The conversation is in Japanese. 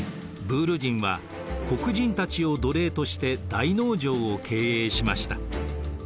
ブール人は黒人たちを奴隷として大農場を経営しました。